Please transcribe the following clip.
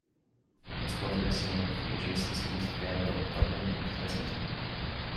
Its weather is similar to the adjacent cities of Danville, Dublin and Pleasanton.